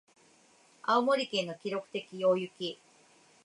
青森県の記録的大雪